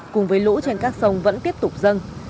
cùng với lũ trên các sông vẫn tiếp tục dâng